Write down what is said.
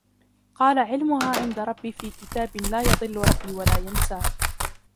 قال علمها عند ربي في كتاب لا يضل ربي ولا ينسى